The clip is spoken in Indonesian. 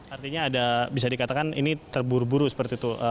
artinya ada bisa dikatakan ini terburu buru seperti itu